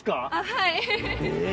はい。